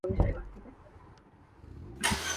Ireland